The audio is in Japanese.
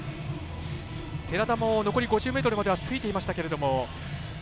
寺田も、残り５０ｍまではついていましたけれども。